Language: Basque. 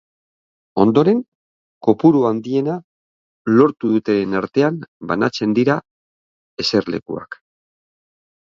Ondoren, kopuru handiena lortu dutenen artean banatzen dira eserlekuak.